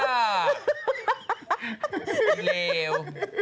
อย่าเลว